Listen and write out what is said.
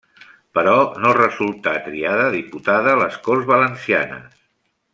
Però no resultà triada diputada a les Corts Valencianes.